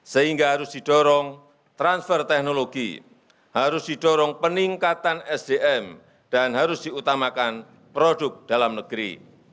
sehingga harus didorong transfer teknologi harus didorong peningkatan sdm dan harus diutamakan produk dalam negeri